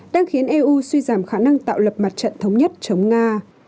đang khiến eu suy giảm khả năng tạo lập mặt trận thống nhất chống nga